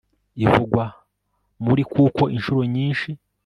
ivugwa muri kuko inshuro nyinshi